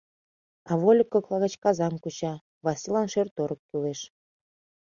А вольык кокла гыч казам куча: Васлилан шӧр-торык кӱлеш.